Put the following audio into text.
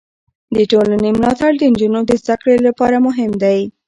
د ټولنې ملاتړ د نجونو د زده کړې لپاره مهم دی.